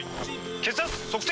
血圧測定！